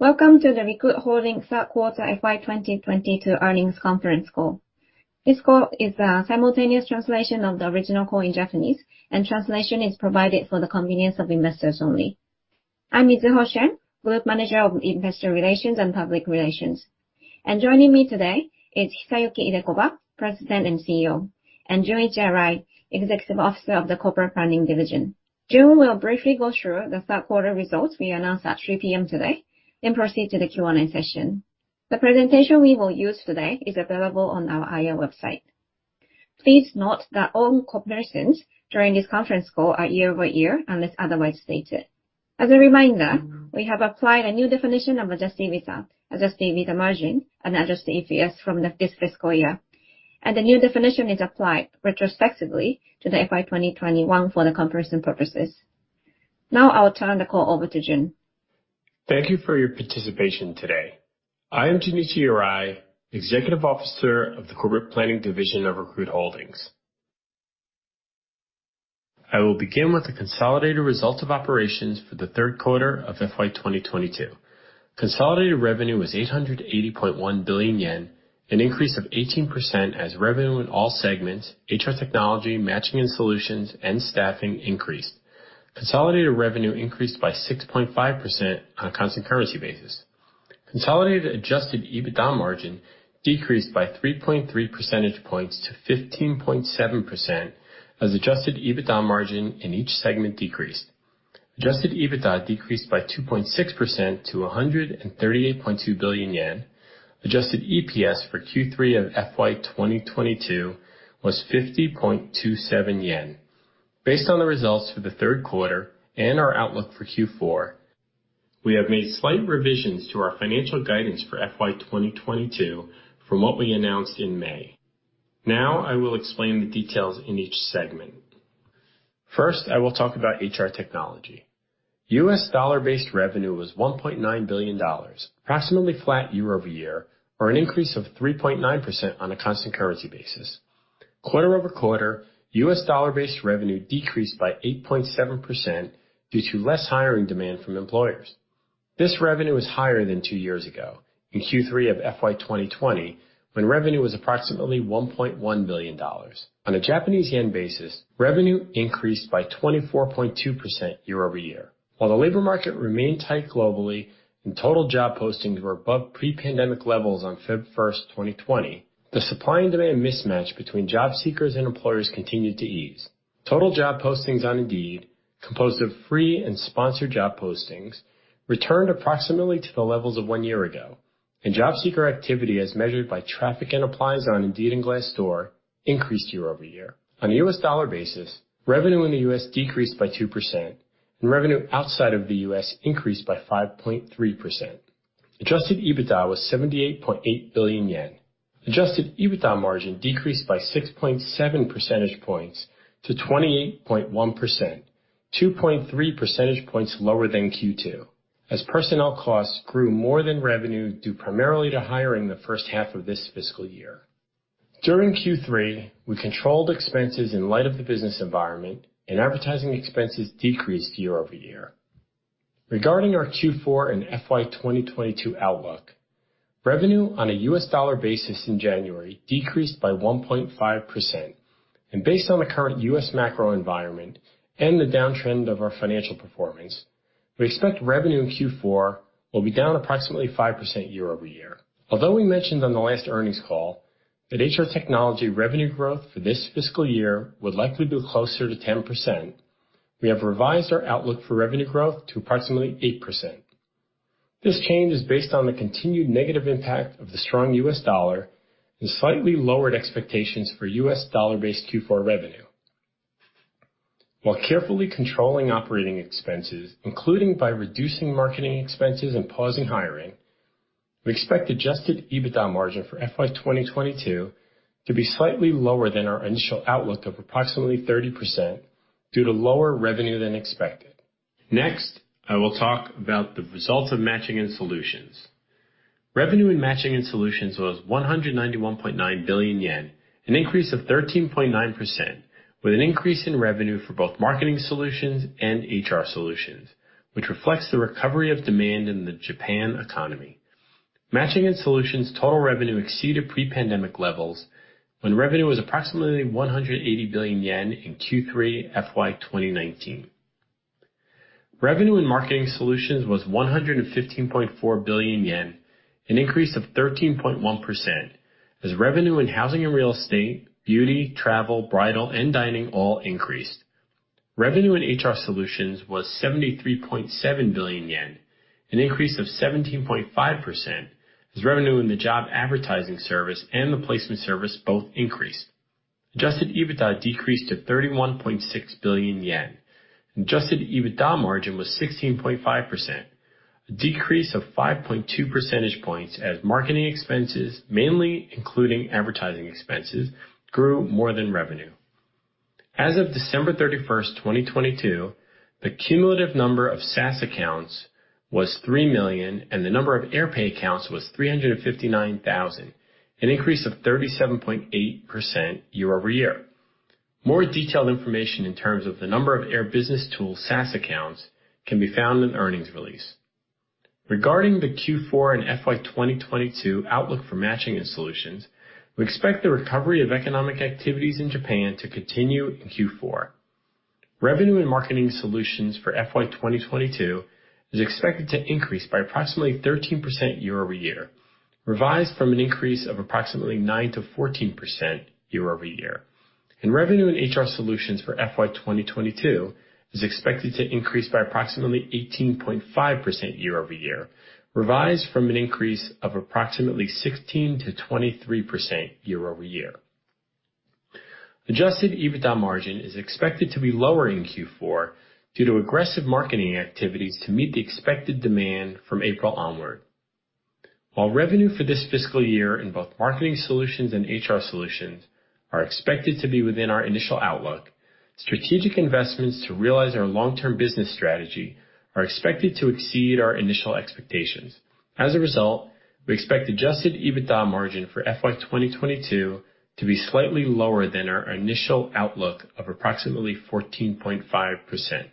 Welcome to the Recruit Holdings third quarter FY2022 earnings conference call. This call is a simultaneous translation of the original call in Japanese. Translation is provided for the convenience of investors only. I'm Mizuho Shen, Group Manager of Investor Relations and Public Relations. Joining me today is Hisayuki Idekoba, President and CEO, and Junichi Arai, Executive Officer of the Corporate Planning Division. Jun will briefly go through the third quarter results we announced at 3:00 P.M. today, then proceed to the Q&A session. The presentation we will use today is available on our IR website. Please note that all comparisons during this conference call are year-over-year, unless otherwise stated. As a reminder, we have applied a new definition of Adjusted EBITDA, Adjusted EBITDA margin, and Adjusted EPS from this fiscal year, and the new definition is applied retrospectively to the FY2021 for the comparison purposes. I'll turn the call over to Jun. Thank you for your participation today. I am Junichi Arai, Executive Officer of the Corporate Planning Division of Recruit Holdings. I will begin with the consolidated results of operations for the third quarter of FY2022. Consolidated revenue was 880.1 billion yen, an increase of 18% as revenue in all segments, HR Technology, Matching & Solutions, and Staffing increased. Consolidated revenue increased by 6.5% on a constant currency basis. Consolidated Adjusted EBITDA margin decreased by 3.3 percentage points to 15.7% as Adjusted EBITDA margin in each segment decreased. Adjusted EBITDA decreased by 2.6% to 138.2 billion yen. Adjusted EPS for Q3 of FY2022 was 50.27 yen. Based on the results for the third quarter and our outlook for Q4, we have made slight revisions to our financial guidance for FY2022 from what we announced in May. I will explain the details in each segment. First, I will talk about HR Technology. US dollar-based revenue was $1.9 billion, approximately flat year-over-year or an increase of 3.9% on a constant currency basis. Quarter-over-quarter, US dollar-based revenue decreased by 8.7% due to less hiring demand from employers. This revenue is higher than two years ago in Q3 of FY2020, when revenue was approximately $1.1 billion. On a Japanese yen basis, revenue increased by 24.2% year-over-year. While the labor market remained tight globally and total job postings were above pre-pandemic levels on February 1st, 2020, the supply and demand mismatch between job seekers and employers continued to ease. Total job postings on Indeed, composed of free and sponsored job postings, returned approximately to the levels of one year ago, and job seeker activity as measured by traffic and applies on Indeed and Glassdoor increased year-over-year. On a US dollar basis, revenue in the US decreased by 2%, and revenue outside of The U.S. increased by 5.3%. Adjusted EBITDA was 78.8 billion yen. Adjusted EBITDA margin decreased by 6.7 percentage points to 28.1%, 2.3 percentage points lower than Q2, as personnel costs grew more than revenue due primarily to hiring the first half of this fiscal year. During Q3, we controlled expenses in light of the business environment and advertising expenses decreased year-over-year. Regarding our Q4 and FY2022 outlook, revenue on a US dollar basis in January decreased by 1.5%. Based on the current US macro environment and the downtrend of our financial performance, we expect revenue in Q4 will be down approximately 5% year-over-year. We mentioned on the last earnings call that HR Technology revenue growth for this fiscal year would likely be closer to 10%, we have revised our outlook for revenue growth to approximately 8%. This change is based on the continued negative impact of the strong US dollar and slightly lowered expectations for US dollar-based Q4 revenue. While carefully controlling operating expenses, including by reducing marketing expenses and pausing hiring, we expect Adjusted EBITDA margin for FY2022 to be slightly lower than our initial outlook of approximately 30% due to lower revenue than expected. Next, I will talk about the results of Matching & Solutions. Revenue in Matching & Solutions was 191.9 billion yen, an increase of 13.9% with an increase in revenue for both Marketing Solutions and HR Solutions, which reflects the recovery of demand in the Japan economy. Matching & Solutions total revenue exceeded pre-pandemic levels when revenue was approximately 180 billion yen in Q3 FY2019. Revenue in Marketing Solutions was 115.4 billion yen, an increase of 13.1% as revenue in housing and real estate, beauty, travel, bridal, and dining all increased. Revenue in HR Solutions was 73.7 billion yen, an increase of 17.5% as revenue in the job advertising service and the placement service both increased. Adjusted EBITDA decreased to 31.6 billion yen. Adjusted EBITDA margin was 16.5%, a decrease of 5.2 percentage points as marketing expenses, mainly including advertising expenses, grew more than revenue. As of December 31st, 2022, the cumulative number of SaaS accounts was 3 million, and the number of Air PAY accounts was 359,000, an increase of 37.8% year-over-year. More detailed information in terms of the number of Air BusinessTools SaaS accounts can be found in the earnings release. Regarding the Q4 and FY2022 outlook for Matching & Solutions, we expect the recovery of economic activities in Japan to continue in Q4. Revenue and Marketing Solutions for FY2022 is expected to increase by approximately 13% year-over-year, revised from an increase of approximately 9%-14% year-over-year. Revenue and HR Solutions for FY2022 is expected to increase by approximately 18.5% year-over-year, revised from an increase of approximately 16%-23% year-over-year. Adjusted EBITDA margin is expected to be lower in Q4 due to aggressive marketing activities to meet the expected demand from April onward. While revenue for this fiscal year in both Marketing Solutions and HR Solutions are expected to be within our initial outlook, strategic investments to realize our long-term business strategy are expected to exceed our initial expectations. As a result, we expect Adjusted EBITDA margin for FY2022 to be slightly lower than our initial outlook of approximately 14.5%.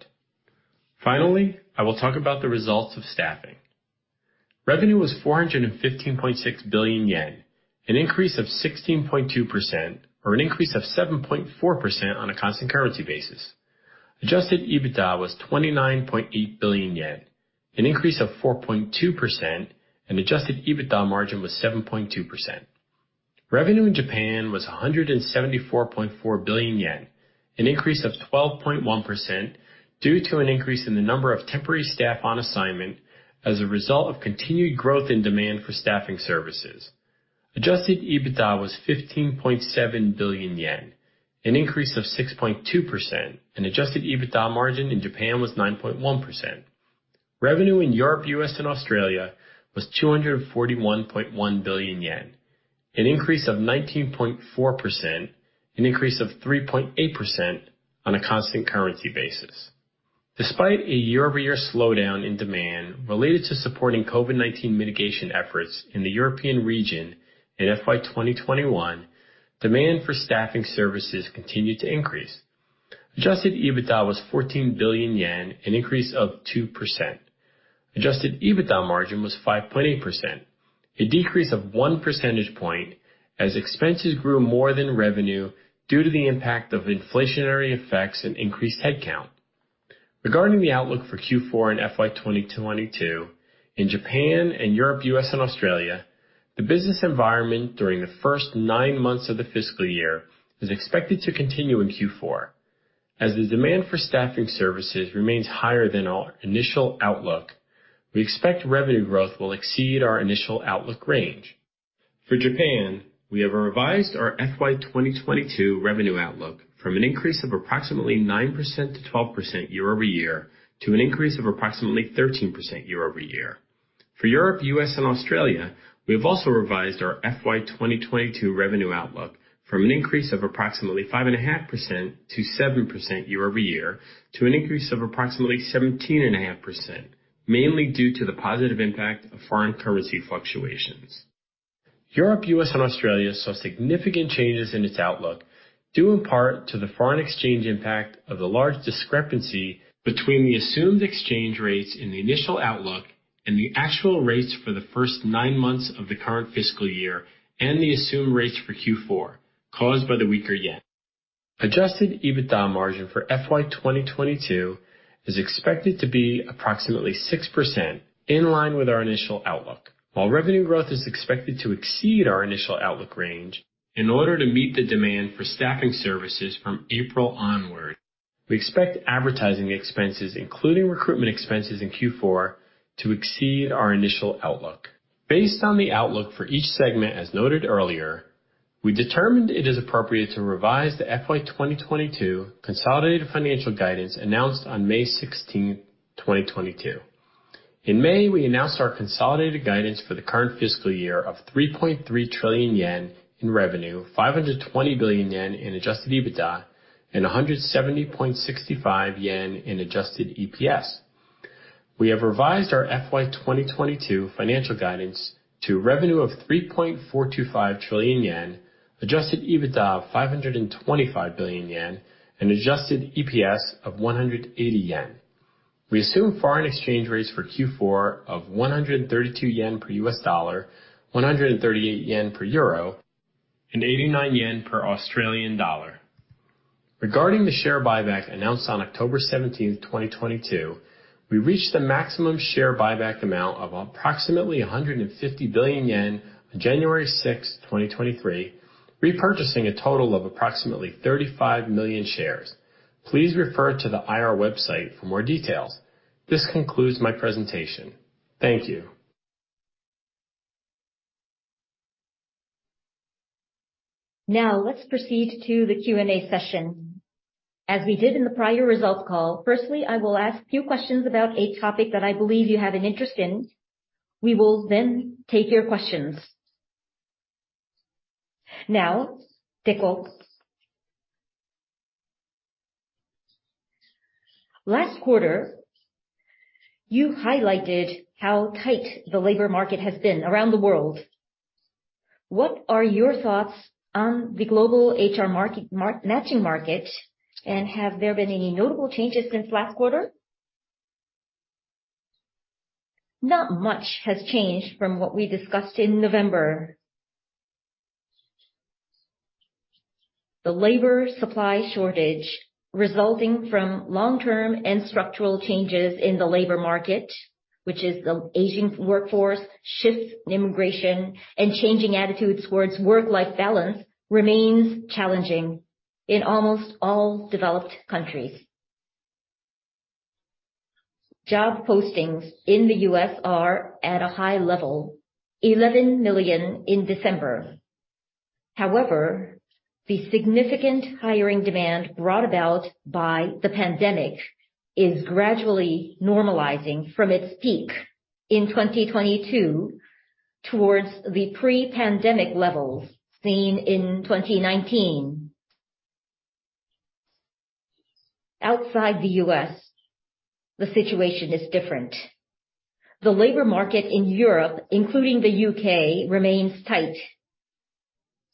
Finally, I will talk about the results of Staffing. Revenue was 415.6 billion yen, an increase of 16.2% or an increase of 7.4% on a constant currency basis. Adjusted EBITDA was 29.8 billion yen, an increase of 4.2%, and Adjusted EBITDA margin was 7.2%. Revenue in Japan was 174.4 billion yen, an increase of 12.1% due to an increase in the number of temporary staff on assignment as a result of continued growth in demand for staffing services. Adjusted EBITDA was 15.7 billion yen, an increase of 6.2%, and Adjusted EBITDA margin in Japan was 9.1%. Revenue in Europe, U.S., and Australia was 241.1 billion yen, an increase of 19.4%, an increase of 3.8% on a constant currency basis. Despite a year-over-year slowdown in demand related to supporting COVID-19 mitigation efforts in the European region in FY2021, demand for staffing services continued to increase. Adjusted EBITDA was 14 billion yen, an increase of 2%. Adjusted EBITDA margin was 5.8%, a decrease of 1 percentage point as expenses grew more than revenue due to the impact of inflationary effects and increased headcount. Regarding the outlook for Q4 and FY2022 in Japan and Europe, U.S., and Australia, the business environment during the first nine months of the fiscal year is expected to continue in Q4. As the demand for staffing services remains higher than our initial outlook, we expect revenue growth will exceed our initial outlook range. For Japan, we have revised our FY2022 revenue outlook from an increase of approximately 9%-12% year-over-year to an increase of approximately 13% year-over-year. For Europe, U.S., and Australia, we have also revised our FY2022 revenue outlook from an increase of approximately 5.5%-7% year-over-year to an increase of approximately 17.5%, mainly due to the positive impact of foreign currency fluctuations. Europe, U.S., and Australia saw significant changes in its outlook due in part to the foreign exchange impact of the large discrepancy between the assumed exchange rates in the initial outlook and the actual rates for the first nine months of the current fiscal year and the assumed rates for Q4 caused by the weaker yen. Adjusted EBITDA margin for FY2022 is expected to be approximately 6% in line with our initial outlook. While revenue growth is expected to exceed our initial outlook range, in order to meet the demand for staffing services from April onward, we expect advertising expenses, including recruitment expenses in Q4, to exceed our initial outlook. Based on the outlook for each segment as noted earlier, we determined it is appropriate to revise the FY2022 consolidated financial guidance announced on May 16, 2022. In May, we announced our consolidated guidance for the current fiscal year of 3.3 trillion yen in revenue, 520 billion yen in Adjusted EBITDA, and 170.65 yen in Adjusted EPS. We have revised our FY2022 financial guidance to revenue of 3.425 trillion yen, Adjusted EBITDA of 525 billion yen, and Adjusted EPS of 180 yen. We assume foreign exchange rates for Q4 of 132 yen per US dollar, 138 yen per EUR, and JPY 89 per AUD. Regarding the share buyback announced on October 17th, 2022, we reached the maximum share buyback amount of approximately 150 billion yen on January 6th, 2023, repurchasing a total of approximately 35 million shares. Please refer to the IR website for more details. This concludes my presentation. Thank you. Now let's proceed to the Q&A session. As we did in the prior results call, firstly, I will ask a few questions about a topic that I believe you have an interest in. We will then take your questions. Now, Deko. Last quarter, you highlighted how tight the labor market has been around the world. What are your thoughts on the global HR market, matching market? Have there been any notable changes since last quarter? Not much has changed from what we discussed in November. The labor supply shortage resulting from long-term and structural changes in the labor market, which is the aging workforce, shifts in immigration and changing attitudes towards work-life balance, remains challenging in almost all developed countries. Job postings in The U.S. are at a high level, 11 million in December. However, the significant hiring demand brought about by the pandemic is gradually normalizing from its peak in 2022 towards the pre-pandemic levels seen in 2019. Outside The U.S., the situation is different. The labor market in Europe, including The U.K., remains tight.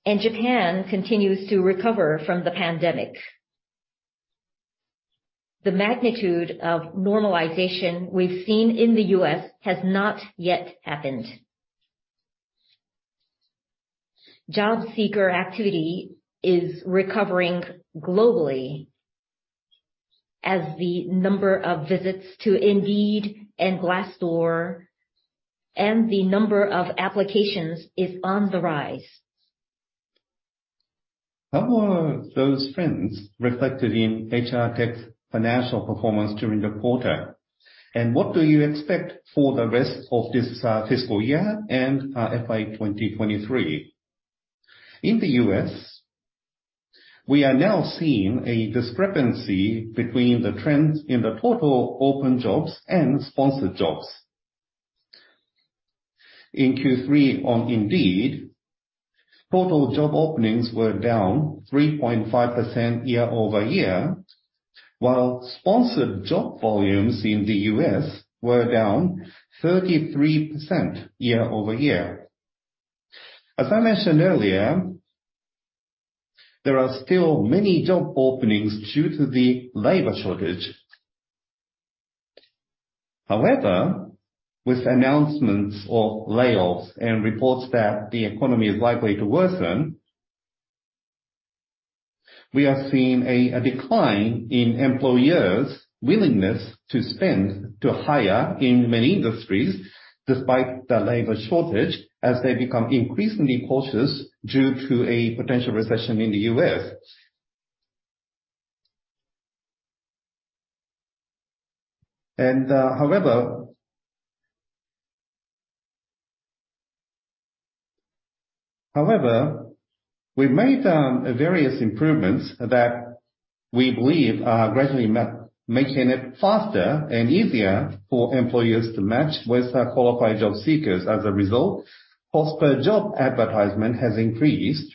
Japan continues to recover from the pandemic. The magnitude of normalization we've seen in The U.S. has not yet happened. Job seeker activity is recovering globally as the number of visits to Indeed and Glassdoor and the number of applications is on the rise. How are those trends reflected in HR Technology's financial performance during the quarter? What do you expect for the rest of this fiscal year and FY2023? In The U.S., we are now seeing a discrepancy between the trends in the total open jobs and sponsored jobs. In Q3 on Indeed, total job openings were down 3.5% year-over-year, while sponsored job volumes in The U.S. were down 33% year-over-year. As I mentioned earlier, there are still many job openings due to the labor shortage. However, with announcements of layoffs and reports that the economy is likely to worsen, we are seeing a decline in employers' willingness to spend to hire in many industries despite the labor shortage as they become increasingly cautious due to a potential recession in The U.S. However. However, we've made various improvements that we believe are gradually making it faster and easier for employers to match with our qualified job seekers as a result. Cost per job advertisement has increased,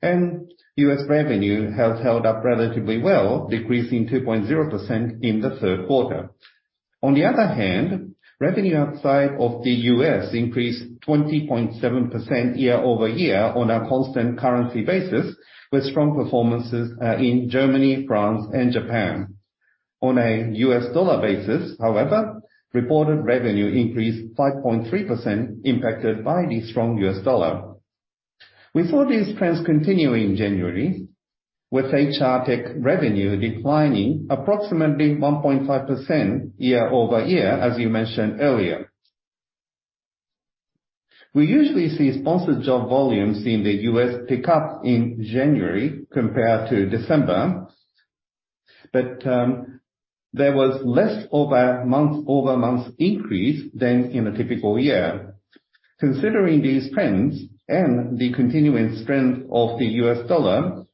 and US revenue has held up relatively well, decreasing 2.0% in the third quarter. On the other hand, revenue outside of The U.S. increased 20.7% year-over-year on a constant currency basis with strong performances in Germany, France and Japan. On a U.S. dollar basis, however, reported revenue increased 5.3% impacted by the strong U.S. dollar. We saw these trends continue in January with HR Technology revenue declining approximately 1.5% year-over-year as you mentioned earlier. We usually see sponsored job volumes in The U.S. pick up in January compared to December, but, there was less over, month-over-month increase than in a typical year. Considering these trends and the continuing strength of The U.S. dollar,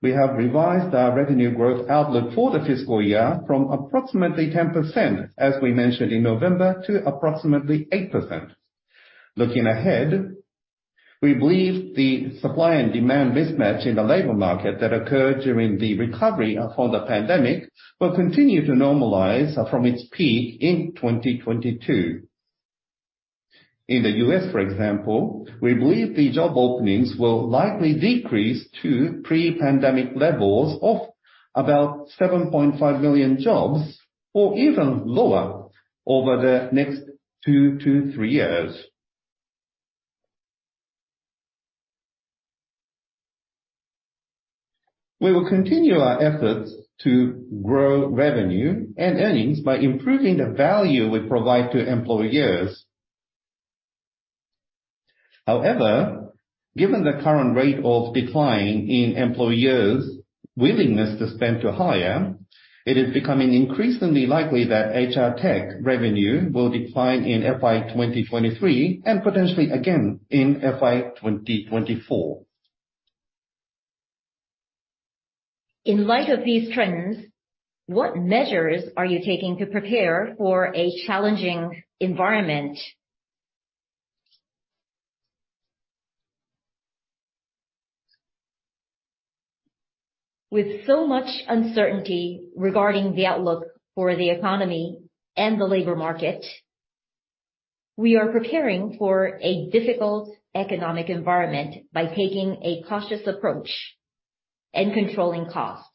we have revised our revenue growth outlook for the fiscal year from approximately 10%, as we mentioned in November, to approximately 8%. Looking ahead, we believe the supply and demand mismatch in the labor market that occurred during the recovery from the pandemic will continue to normalize from its peak in 2022. In The U.S., for example, we believe the job openings will likely decrease to pre-pandemic levels of about 7.5 million jobs or even lower over the next 2-3 years. We will continue our efforts to grow revenue and earnings by improving the value we provide to employers. Given the current rate of decline in employers' willingness to spend to hire, it is becoming increasingly likely that HR Technology revenue will decline in FY2023 and potentially again in FY2024. In light of these trends, what measures are you taking to prepare for a challenging environment? With so much uncertainty regarding the outlook for the economy and the labor market, we are preparing for a difficult economic environment by taking a cautious approach and controlling costs.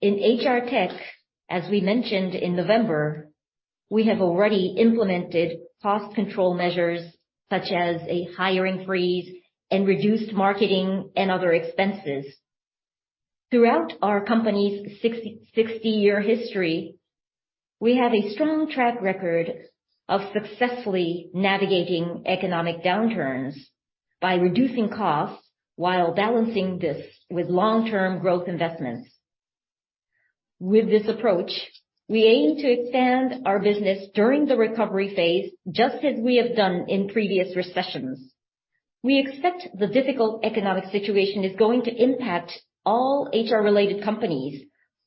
In HR Tech, as we mentioned in November, we have already implemented cost control measures such as a hiring freeze and reduced marketing and other expenses. Throughout our company's 60-year history, we have a strong track record of successfully navigating economic downturns by reducing costs while balancing this with long-term growth investments. With this approach, we aim to expand our business during the recovery phase, just as we have done in previous recessions. We expect the difficult economic situation is going to impact all HR-related companies.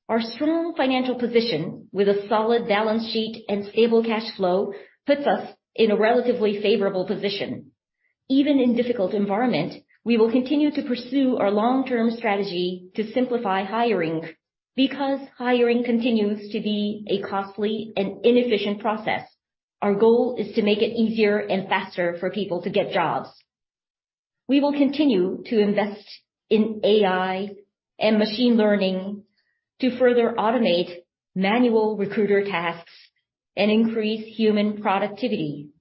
Our strong financial position with a solid balance sheet and stable cash flow puts us in a relatively favorable position. Even in difficult environment, we will continue to pursue our long-term strategy to simplify hiring because hiring continues to be a costly and inefficient process. Our goal is to make it easier and faster for people to get jobs. We will continue to invest in AI and Machine Learning to further automate manual recruiter tasks and increase human productivity.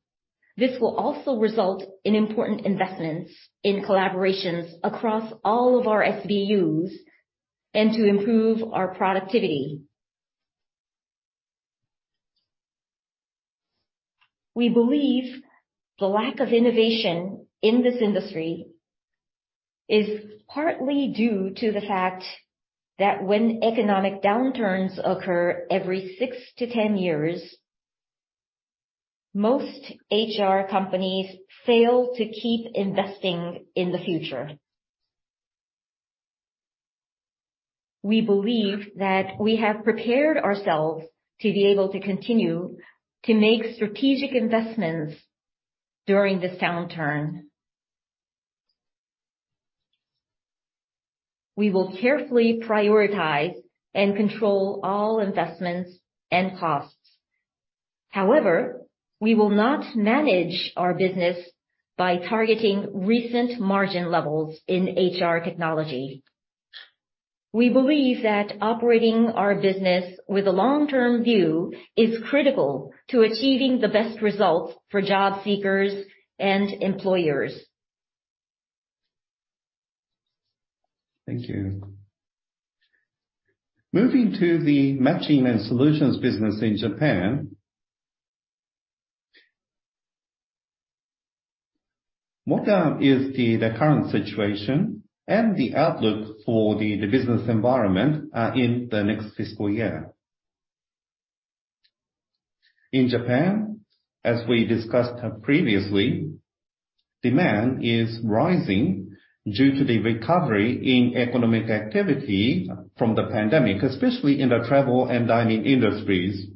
This will also result in important investments in collaborations across all of our SBUs and to improve our productivity. We believe the lack of innovation in this industry is partly due to the fact that when economic downturns occur every six to 10 years, most HR companies fail to keep investing in the future. We believe that we have prepared ourselves to be able to continue to make strategic investments during this downturn. We will carefully prioritize and control all investments and costs. However, we will not manage our business by targeting recent margin levels in HR Technology. We believe that operating our business with a long-term view is critical to achieving the best results for job seekers and employers. Thank you. Moving to the Matching & Solutions business in Japan. What is the current situation and the outlook for the business environment in the next fiscal year? In Japan, as we discussed previously, demand is rising due to the recovery in economic activity from the pandemic, especially in the travel and dining industries.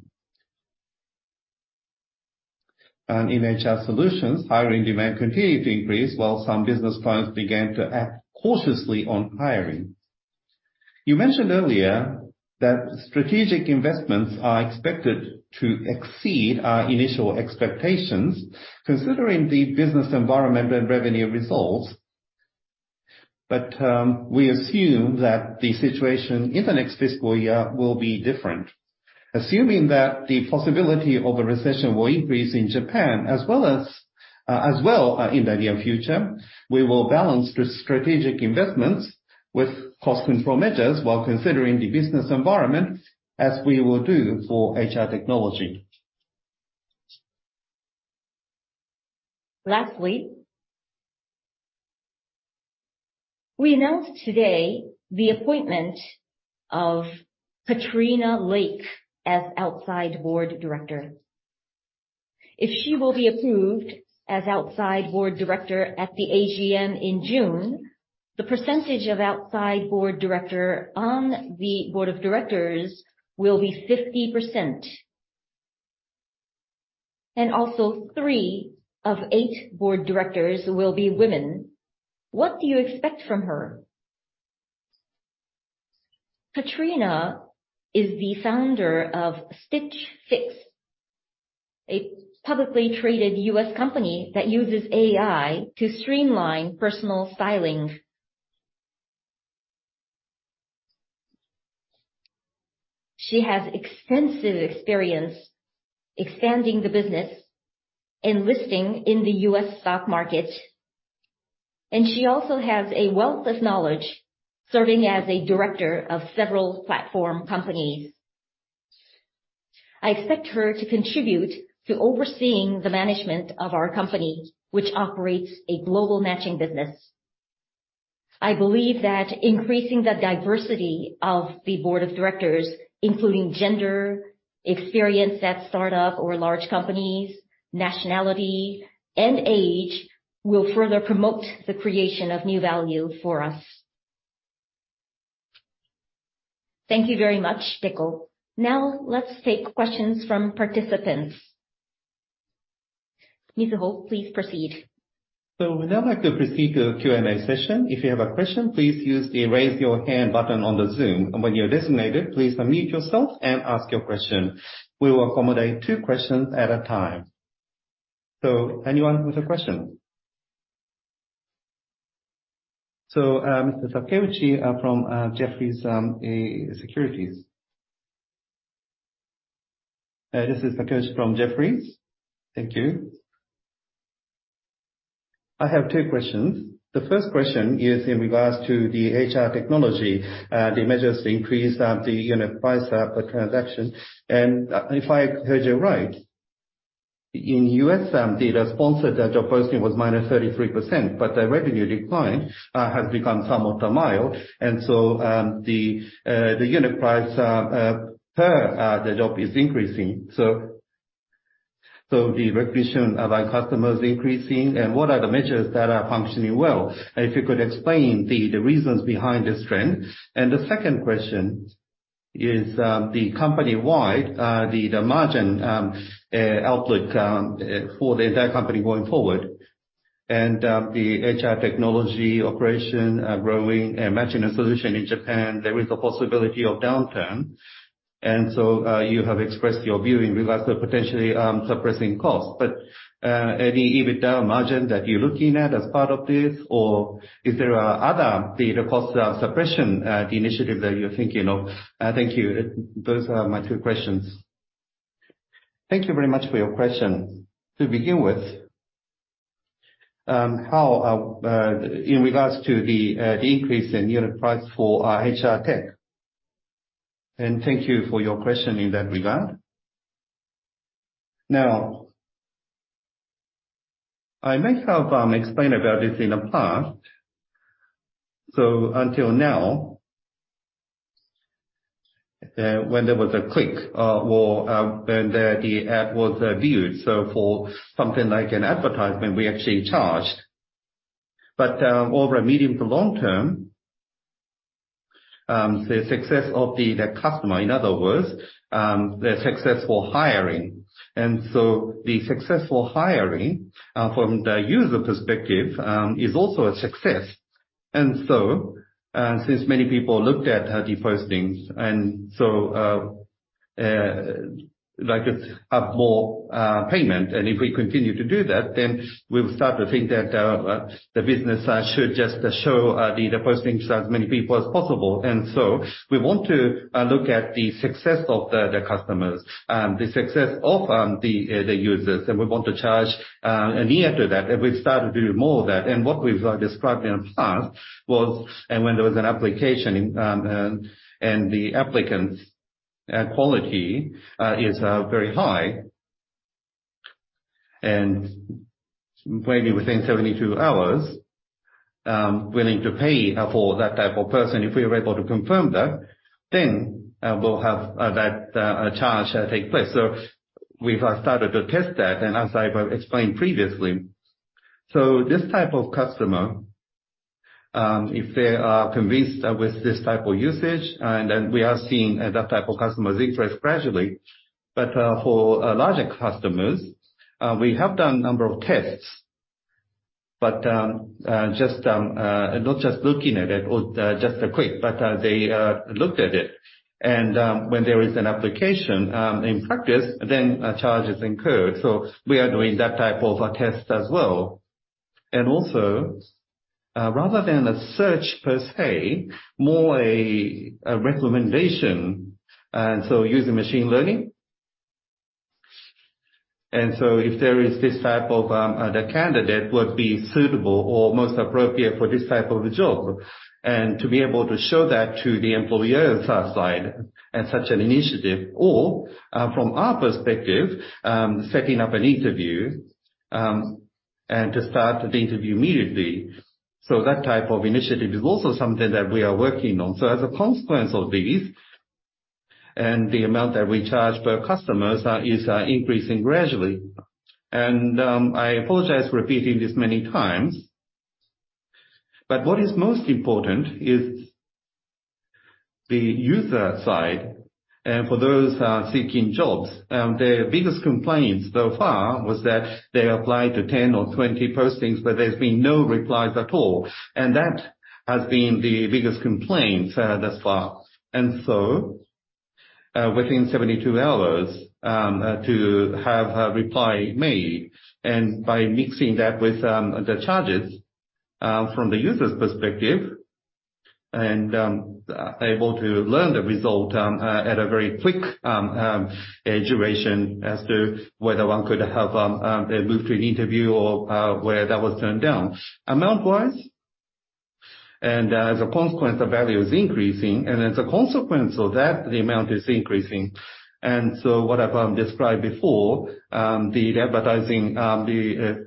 In HR Solutions, hiring demand continued to increase while some business clients began to act cautiously on hiring. You mentioned earlier that strategic investments are expected to exceed our initial expectations, considering the business environment and revenue results. We assume that the situation in the next fiscal year will be different. Assuming that the possibility of a recession will increase in Japan as well as in the near future, we will balance strategic investments with cost control measures while considering the business environment as we will do for HR Technology. Lastly, we announced today the appointment of Katrina Lake as Outside Board Director. If she will be approved as Outside Board Director at the AGM in June, the percentage of Outside Board Director on the board of directors will be 50%. Also three of eight board directors will be women. What do you expect from her? Katrina is the founder of Stitch Fix, a publicly traded US company that uses AI to streamline personal styling. She has extensive experience expanding the business and listing in The U.S. stock market, and she also has a wealth of knowledge serving as a director of several platform companies. I expect her to contribute to overseeing the management of our company, which operates a global matching business. I believe that increasing the diversity of the board of directors, including gender, experience at start-up or large companies, nationality, and age, will further promote the creation of new value for us. Thank you very much, Deko. Now let's take questions from participants. Mizuho, please proceed. We'd now like to proceed to the Q&A session. If you have a question, please use the Raise Your Hand button on the Zoom, and when you're designated, please unmute yourself and ask your question. We will accommodate two questions at a time. Anyone with a question? Mr. Takeuchi, from Jefferies Securities. This is Takeuchi from Jefferies. Thank you. I have two questions. The first question is in regards to the HR Technology, the measures to increase the unit price per transaction. If I heard you right, in U.S., data sponsored job posting was -33%, but the revenue decline has become somewhat mild. The unit price per the job is increasing. The repetition of our customers increasing and what are the measures that are functioning well? If you could explain the reasons behind this trend. The second question is the company-wide margin outlook for the entire company going forward, and the HR Technology operation growing and Matching & Solutions in Japan, there is a possibility of downturn. So you have expressed your view in regards to potentially suppressing costs. Any EBITDA margin that you're looking at as part of this? Or is there other data cost suppression initiative that you're thinking of? Thank you. Those are my two questions. Thank you very much for your question. To begin with, how in regards to the increase in unit price for our HR tech. Thank you for your question in that regard. Now, I may have explained about this in the past. Until now, when there was a click or when the ad was viewed, for something like an advertisement, we actually charged. Over a medium to long term, the success of the customer, in other words, the successful hiring. The successful hiring from the user perspective is also a success. Since many people looked at the postings, like it's up more payment. If we continue to do that, then we'll start to think that the business should just show the postings to as many people as possible. We want to look at the success of the customers, the success of the users, and we want to charge an ear to that, and we've started to do more of that. What we've described in the past was, when there was an application, and the applicant's quality is very high, maybe within 72 hours, willing to pay for that type of person. If we are able to confirm that, then we'll have that charge take place. We've started to test that, and as I've explained previously. This type of customer, if they are convinced with this type of usage, and then we are seeing that type of customers increase gradually. For larger customers, we have done a number of tests, but, just, not just looking at it or just a quick, but, they looked at it. When there is an application, in practice, then a charge is incurred. We are doing that type of a test as well. Also, rather than a search per se, more a recommendation, and so using Machine Learning. If there is this type of, the candidate would be suitable or most appropriate for this type of a job. To be able to show that to the employer side and such an initiative or from our perspective, setting up an interview, and to start the interview immediately. That type of initiative is also something that we are working on. As a consequence of these, and the amount that we charge per customers are, is increasing gradually. I apologize for repeating this many times. What is most important is the user side, for those seeking jobs. Their biggest complaints so far was that they applied to 10 or 20 postings, but there's been no replies at all. That has been the biggest complaint, thus far. Within 72 hours, to have a reply made, and by mixing that with the charges from the user's perspective, and able to learn the result at a very quick duration as to whether one could have a move to an interview or where that was turned down. Amount-wise, and as a consequence, the value is increasing, and as a consequence of that, the amount is increasing. What I've described before, the advertising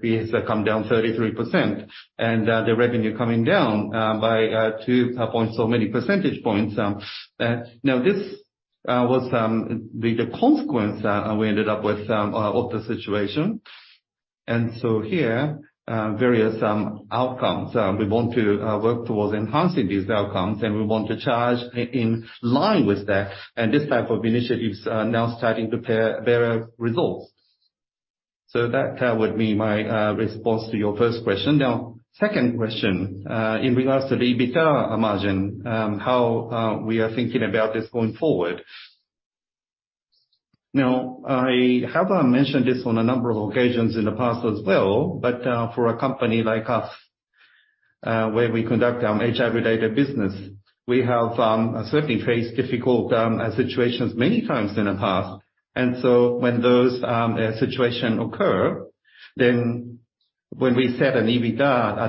fees have come down 33% and the revenue coming down by two point so many percentage points. Now this was the consequence we ended up with of the situation. Here, various outcomes. We want to work towards enhancing these outcomes, and we want to charge in line with that. This type of initiatives are now starting to pair better results. That would be my response to your first question. Second question, in regards to the EBITDA margin, how we are thinking about this going forward. I have mentioned this on a number of occasions in the past as well, but for a company like us, where we conduct HR data business, we have certainly faced difficult situations many times in the past. When those situation occur, when we set an EBITDA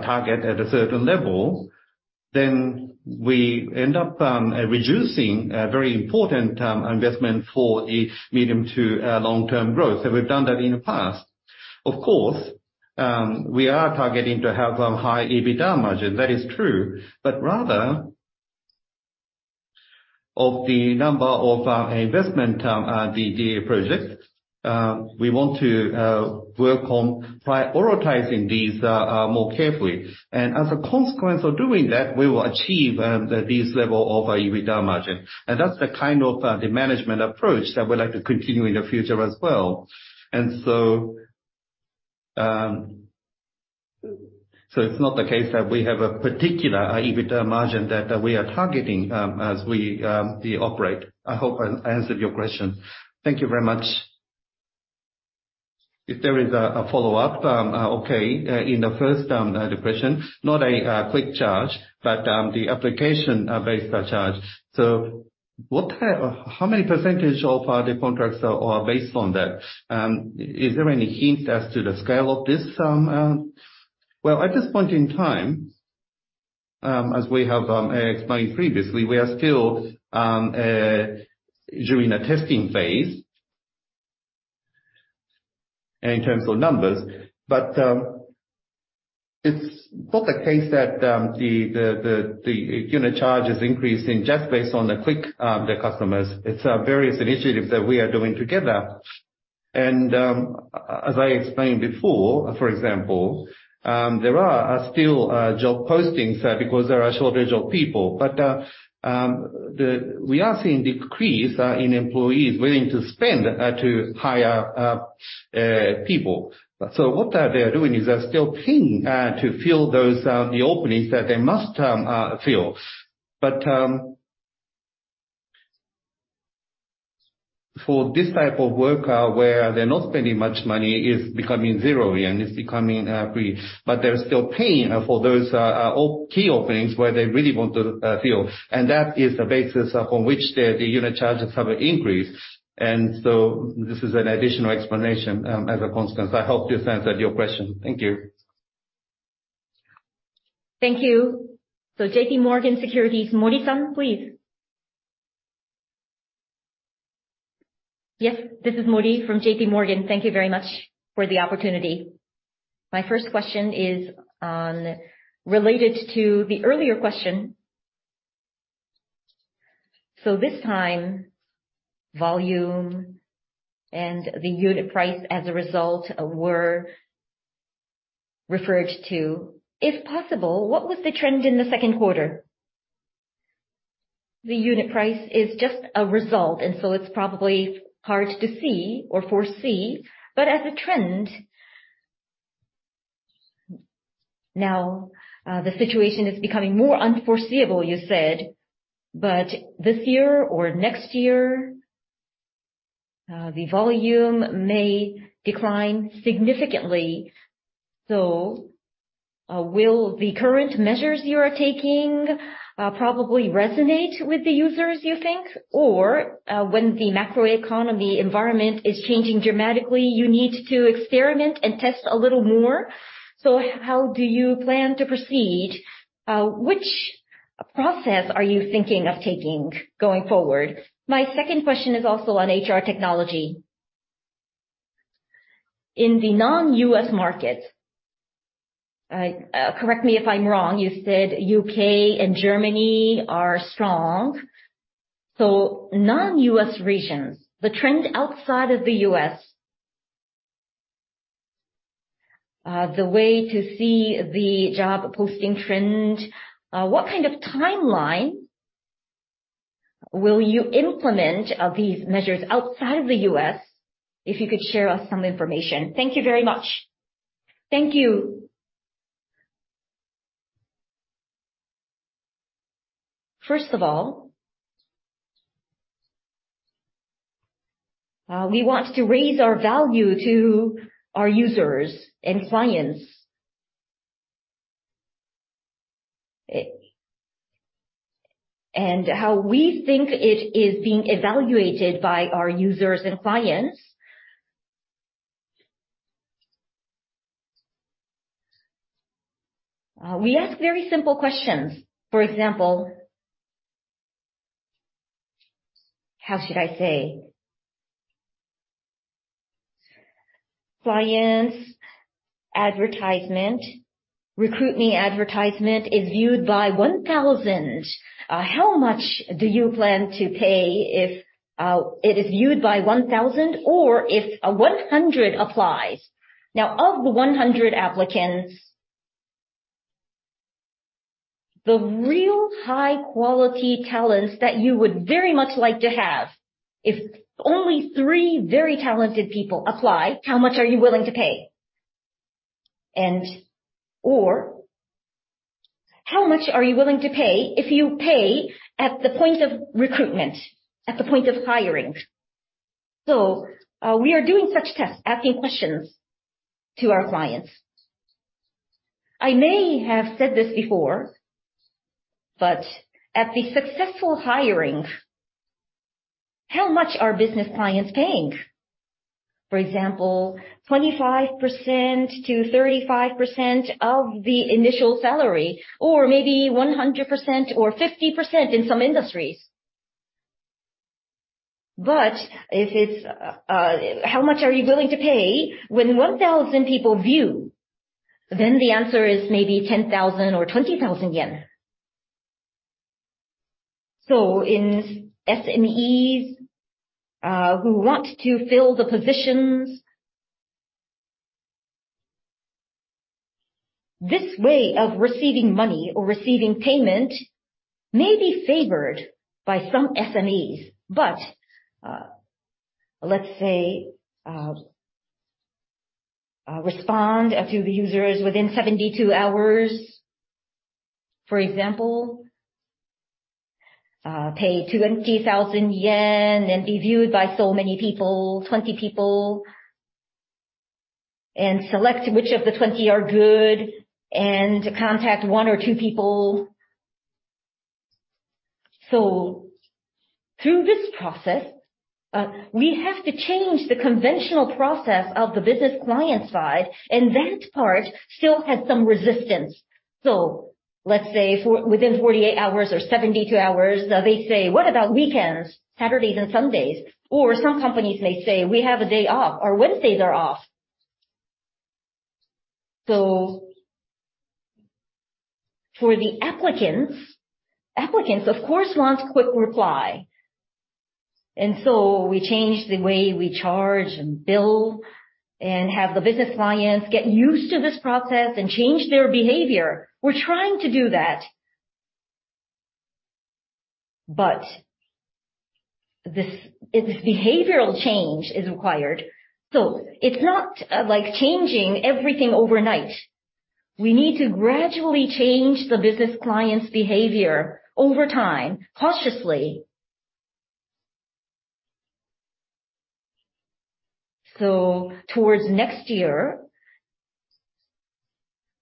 target at a certain level, we end up reducing a very important investment for a medium to long-term growth. We've done that in the past. Of course, we are targeting to have high EBITDA margin, that is true. Rather of the number of investment, DDA projects, we want to work on prioritizing these more carefully. As a consequence of doing that, we will achieve these level of EBITDA margin. That's the kind of the management approach that we'd like to continue in the future as well. It's not the case that we have a particular EBITDA margin that we are targeting as we operate. I hope I answered your question. Thank you very much. If there is a follow-up, okay. In the first question, not a quick charge, but the application-based charge. How many % of the contracts are based on that? Is there any hint as to the scale of this? Well, at this point in time, as we have explained previously, we are still during a testing phase in terms of numbers. It's not the case that the unit charge is increasing just based on the quick the customers. It's various initiatives that we are doing together. As I explained before, for example, there are still job postings because there are a shortage of people. We are seeing decrease in employees willing to spend to hire people. What they are doing is they're still paying to fill those the openings that they must fill. For this type of work, where they're not spending much money, is becoming zero and it's becoming free. They're still paying for those key openings where they really want to fill. That is the basis upon which the unit charges have increased. This is an additional explanation as a consequence. I hope this answered your question. Thank you. Thank you. JPMorgan Securities, Mori-san, please. Yes, this is Mori from JPMorgan. Thank you very much for the opportunity. My first question is related to the earlier question. This time, volume and the unit price as a result were referred to. If possible, what was the trend in the second quarter? The unit price is just a result, and so it's probably hard to see or foresee. As a trend, now, the situation is becoming more unforeseeable, you said, but this year or next year, the volume may decline significantly. Will the current measures you are taking, probably resonate with the users, you think? When the macroeconomy environment is changing dramatically, you need to experiment and test a little more. How do you plan to proceed? Which process are you thinking of taking going forward? My second question is also on HR Technology. In the non-US market, correct me if I'm wrong, you said U.K. and Germany are strong. Non-U.S. regions, the trend outside of The U.S., the way to see the job posting trend, what kind of timeline will you implement of these measures outside The U.S.? If you could share us some information. Thank you very much. Thank you. First of all, we want to raise our value to our users and clients. How we think it is being evaluated by our users and clients, we ask very simple questions. For example, how should I say? Clients advertisement Recruit me advertisement is viewed by 1,000, how much do you plan to pay if it is viewed by 1,000 or if 100 applies? Now, of the 100 applicants, the real high quality talents that you would very much like to have, if only three very talented people apply, how much are you willing to pay? Or how much are you willing to pay if you pay at the point of recruitment, at the point of hiring? We are doing such tests, asking questions to our clients. I may have said this before, but at the successful hiring, how much are business clients paying? For example, 25%-35% of the initial salary or maybe 100% or 50% in some industries. If it's, how much are you willing to pay when 1,000 people view, then the answer is maybe 10,000 or 20,000 yen. In SMEs, who want to fill the positions, this way of receiving money or receiving payment may be favored by some SMEs. Let's say, respond to the users within 72 hours. For example, pay 20,000 yen and be viewed by so many people, 20 people, and select which of the 20 are good, and contact one or two people. Through this process, we have to change the conventional process of the business client side, and that part still has some resistance. Let's say for within 48 hours or 72 hours, they say, "What about weekends, Saturdays and Sundays?" Some companies may say, "We have a day off," or, "Wednesdays are off." For the applicants, of course, wants quick reply. We change the way we charge and bill and have the business clients get used to this process and change their behavior. We're trying to do that. This behavioral change is required. It's not like changing everything overnight. We need to gradually change the business client's behavior over time, cautiously. Towards next year...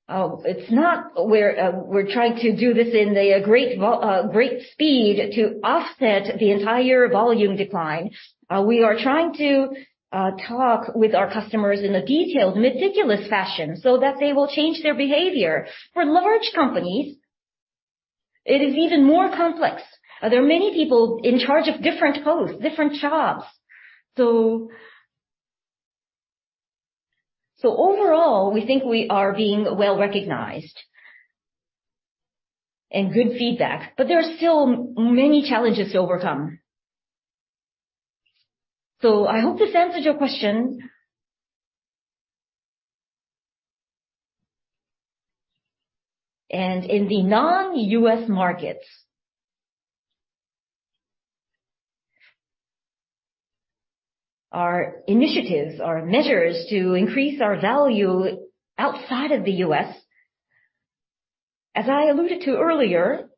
Oh, it's not we're trying to do this in a great speed to offset the entire volume decline. We are trying to talk with our customers in a detailed, meticulous fashion so that they will change their behavior. For large companies, it is even more complex. There are many people in charge of different posts, different jobs. Overall, we think we are being well-recognized and good feedback, but there are still many challenges to overcome. I hope this answers your question. In the non-US markets, our initiatives, our measures to increase our value outside of The U.S., as I alluded to earlier,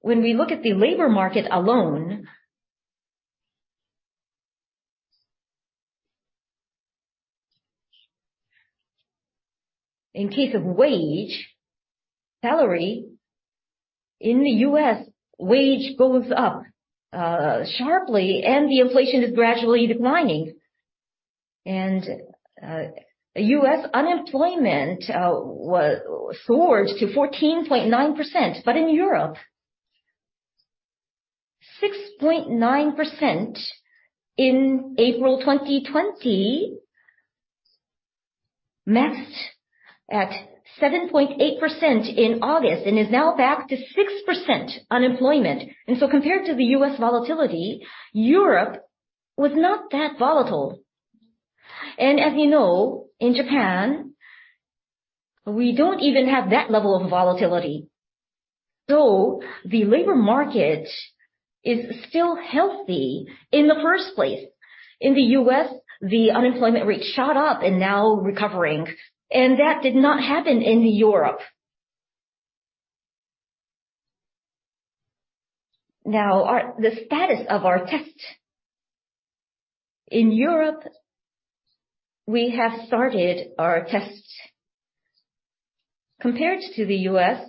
when we look at the labor market alone, in case of wage, salary in The U.S., wage goes up sharply and the inflation is gradually declining. U.S. unemployment soared to 14.9%, but in Europe, 6.9% in April 2020, maxed at 7.8% in August and is now back to 6% unemployment. Compared to The U.S. volatility, Europe was not that volatile. As you know, in Japan, we don't even have that level of volatility. The labor market is still healthy in the first place. In The U.S., the unemployment rate shot up and now recovering, and that did not happen in Europe. The status of our test. In Europe, we have started our test. Compared to The U.S.,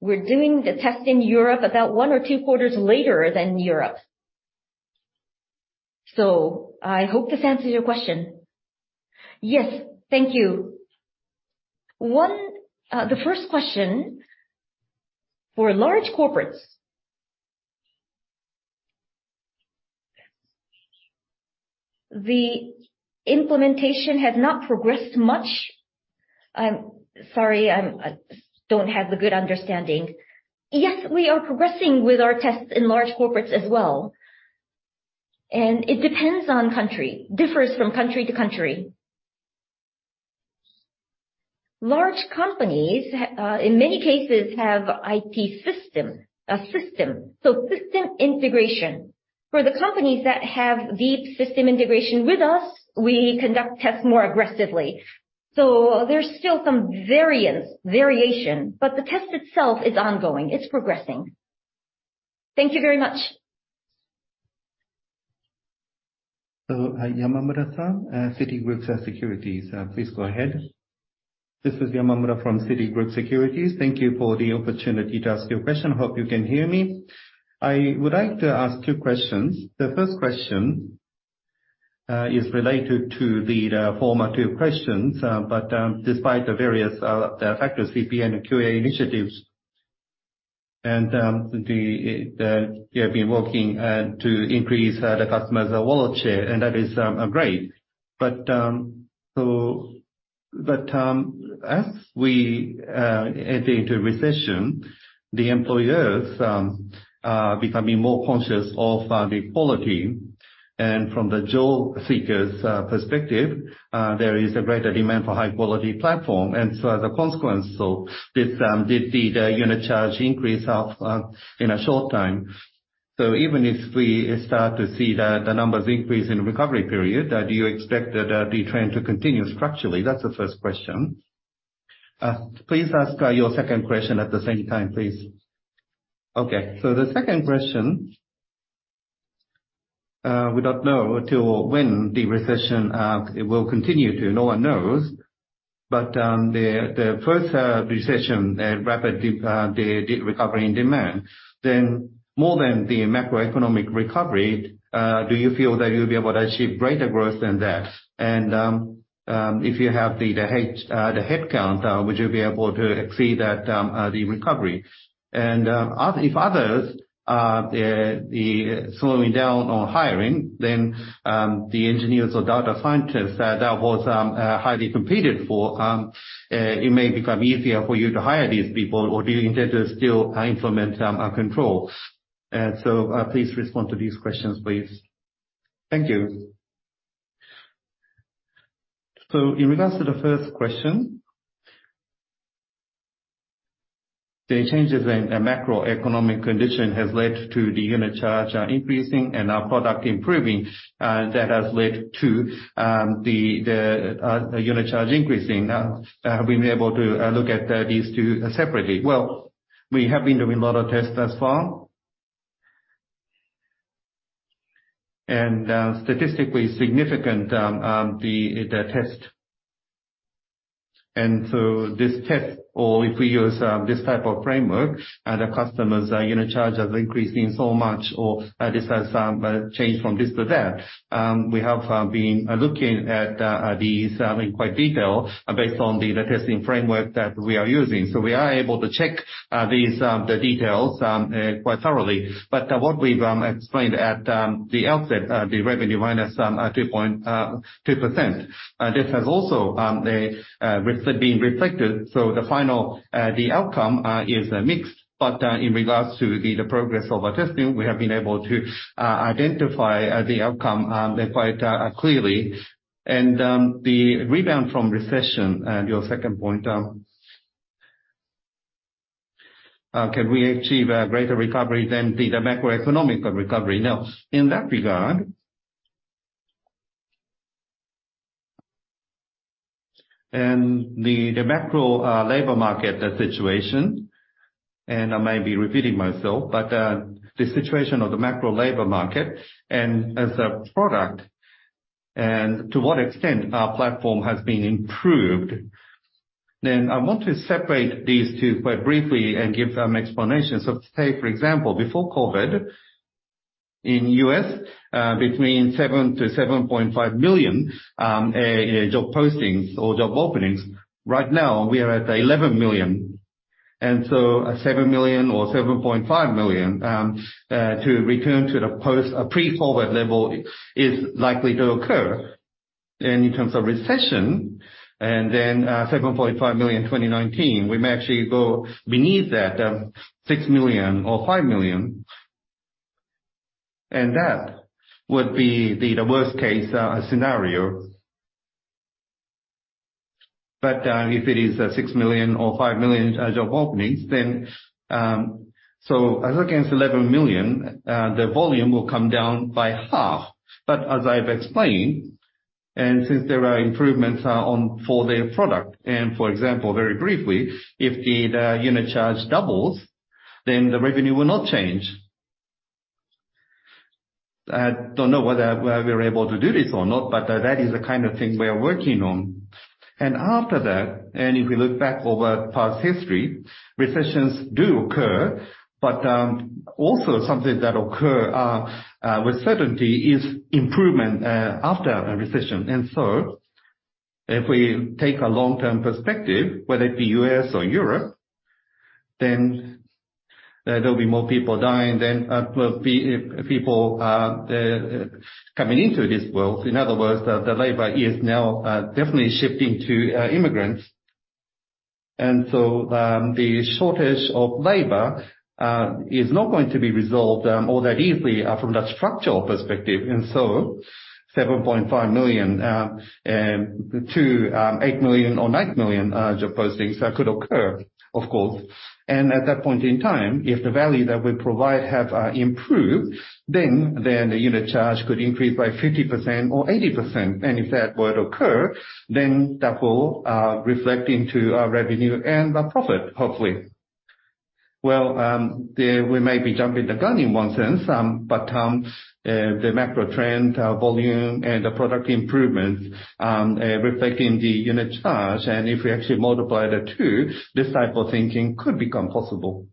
we're doing the test in Europe about one or two quarters later than Europe. I hope this answers your question. Yes. Thank you. One, the first question, for large corporates, the implementation has not progressed much. I'm sorry, I don't have the good understanding. Yes, we are progressing with our tests in large corporates as well, and it depends on country. Differs from country to country. Large companies, in many cases have IT system, so system integration. For the companies that have the system integration with us, we conduct tests more aggressively. There's still some variance, but the test itself is ongoing, it's progressing. Thank you very much. Yamamura-san, Citigroup Securities, please go ahead. This is Yamamura from Citigroup Securities. Thank you for the opportunity to ask you a question. Hope you can hear me. I would like to ask two questions. The first question is related to the formative questions, despite the various Factor CP and QA initiatives, you have been working to increase the customer's wallet share, and that is great. As we enter into recession, the employers are becoming more conscious of the quality. From the job seekers' perspective, there is a greater demand for high quality platform. As a consequence, this did the unit charge increase in a short time. Even if we start to see the numbers increase in recovery period, do you expect that the trend to continue structurally? That's the first question. Please ask your second question at the same time, please. Okay. The second question, we don't know until when the recession will continue to... No one knows. The first recession rapid recovery in demand, then more than the macroeconomic recovery, do you feel that you'll be able to achieve greater growth than that? If you have the headcount, would you be able to exceed that recovery? If others are slowing down on hiring then, the engineers or data scientists that was highly competed for, it may become easier for you to hire these people or do you intend to still implement a control? Please respond to these questions, please. Thank you. In regards to the first question, the changes in the macroeconomic condition has led to the unit charge increasing and our product improving, that has led to the unit charge increasing. We've been able to look at these two separately. Well, we have been doing a lot of tests thus far. Statistically significant the test. This test or if we use this type of framework, the customer's unit charge has increased in so much or this has changed from this to that. We have been looking at these in quite detail based on the testing framework that we are using. We are able to check these details quite thoroughly. What we've explained at the outset, the revenue minus 2.2%, this has also being reflected. The final outcome is mixed. In regards to the progress of our testing, we have been able to identify the outcome quite clearly. The rebound from recession, your second point, can we achieve a greater recovery than the macroeconomic recovery? In that regard, the macro labor market situation, I may be repeating myself, but the situation of the macro labor market and as a product and to what extent our platform has been improved, I want to separate these two quite briefly and give an explanation. Take for example, before COVID, in U.S., between 7 million-7.5 million job postings or job openings. Right now we are at 11 million. 7 million or 7.5 million to return to the post pre-COVID level is likely to occur. In terms of recession, 7.5 million in 2019, we may actually go beneath that, 6 million or 5 million, and that would be the worst case scenario. If it is 6 million or 5 million job openings, as against 11 million, the volume will come down by half. As I've explained, since there are improvements on for the product, for example, very briefly, if the unit charge doubles, the revenue will not change. I don't know whether we are able to do this or not, but that is the kind of thing we are working on. If we look back over past history, recessions do occur, but also something that occur with certainty is improvement after the recession. If we take a long-term perspective, whether it be U.S. or Europe, then there'll be more people dying than people coming into this world. In other words, the labor is now definitely shifting to immigrants. The shortage of labor is not going to be resolved all that easily from that structural perspective. 7.5 million to 8 million-9 million job postings that could occur, of course. At that point in time, if the value that we provide have improved, then the unit charge could increase by 50% or 80%. If that were to occur, then that will reflect into our revenue and the profit, hopefully. Well, we may be jumping the gun in one sense, the macro trend, volume and the product improvements reflect in the unit charge. If we actually multiply the two, this type of thinking could become possible.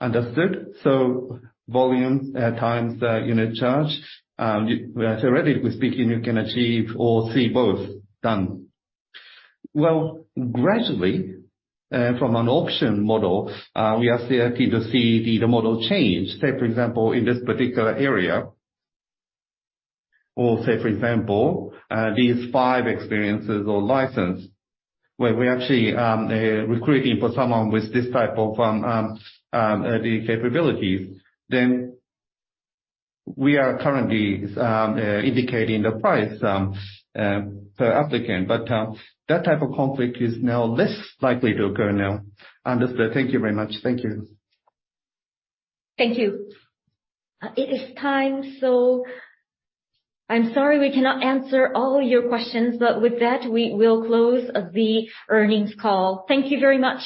Understood. Volume times the unit charge, theoretically speaking, you can achieve or see both done. Well, gradually, from an auction model, we are starting to see the model change. Say, for example, in this particular area, or say, for example, these five experiences or license where we're actually recruiting for someone with this type of the capabilities, then we are currently indicating the price per applicant. That type of conflict is now less likely to occur now. Understood. Thank you very much. Thank you. Thank you. It is time, so I'm sorry we cannot answer all your questions, but with that, we will close the earnings call. Thank you very much.